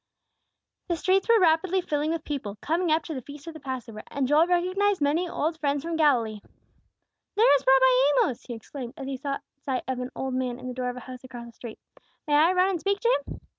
The streets were rapidly filling with people, coming up to the Feast of the Passover, and Joel recognized many old friends from Galilee. "There is Rabbi Amos!" he exclaimed, as he caught sight of an old man in the door of a house across the street. "May I run and speak to him?"